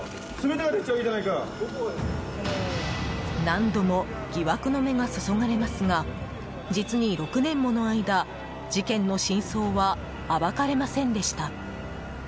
何度も疑惑の目が注がれますが実に６年もの間事件の真相は暴かれませんでした。